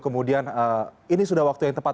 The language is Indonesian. kemudian ini sudah waktu yang tepat